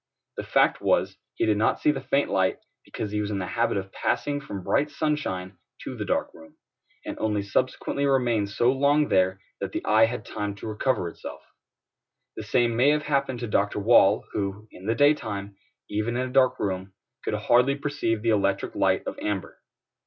The fact was, he did not see the faint light, because he was in the habit of passing from bright sunshine to the dark room, and only subsequently remained so long there that the eye had time to recover itself. The same may have happened to Doctor Wall, who, in the daytime, even in a dark room, could hardly perceive the electric light of amber.